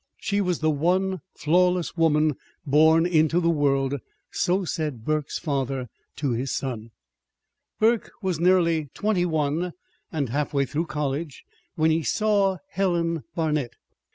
She was the one flawless woman born into the world so said Burke's father to his son. Burke was nearly twenty one, and half through college, when he saw Helen Barnet.